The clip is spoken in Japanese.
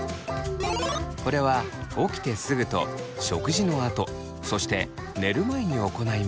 これは起きてすぐと食事のあとそして寝る前に行います。